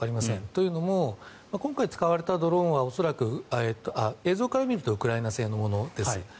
というのも今回使われたドローンは映像から見るとウクライナ製のものです。